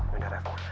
ya udah ref